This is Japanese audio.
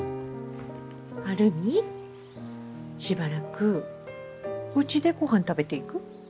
晴海しばらくうちでごはん食べていく？